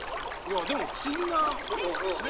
でも不思議なね。